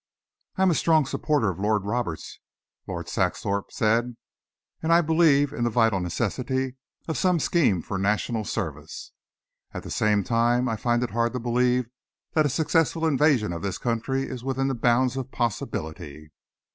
"I am a strong supporter of Lord Roberts," Lord Saxthorpe said, "and I believe in the vital necessity of some scheme for national service. At the same time, I find it hard to believe that a successful invasion of this country is within the bounds of possibility."